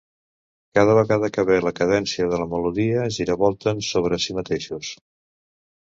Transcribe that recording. Cada vegada que ve la cadència de la melodia giravolten sobre si mateixos.